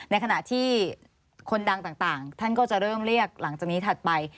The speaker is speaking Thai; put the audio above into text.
ในขณะที่คนดังต่างท่านก็จะเริ่มเรียกหลังจากนี้ถัดไป